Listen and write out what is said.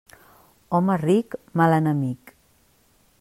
Home ric, mal enemic.